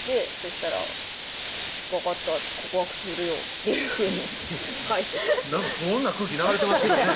したら「分かった告白するよ」っていうふうに返してきて不穏な空気流れてますけどね